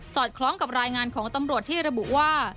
อดคล้องกับรายงานของตำรวจที่ระบุว่า